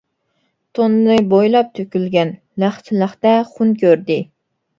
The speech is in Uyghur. توننى بويلاپ تۆكۈلگەن، لەختە لەختە خۇن كۆردى.